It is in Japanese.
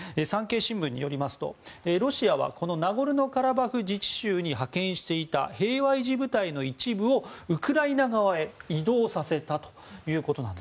産経新聞によりますとロシアはこのナゴルノカラバフ自治州に派遣していた平和維持部隊の一部をウクライナ側へ移動させたと。